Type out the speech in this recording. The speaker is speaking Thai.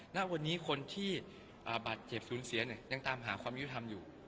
ณวันนี้คนที่บาดเจ็บสูญเสียเนี่ยยังตามหาความยุติธรรมอยู่